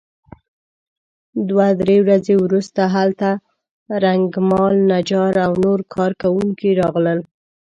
دوه درې ورځې وروسته هلته رنګمال نجار او نور کار کوونکي راغلل.